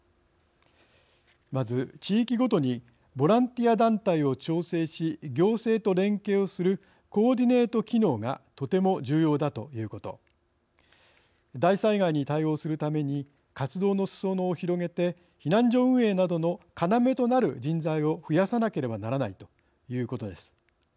まず、地域ごとにボランティア団体を調整し行政と連携をするコーディネート機能がとても重要だということ大災害に対応するために活動のすそ野を広げて避難所運営などの要となる人材を増やさなければならないということです。